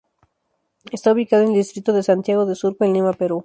Está ubicado en el distrito de Santiago de Surco, en Lima, Perú.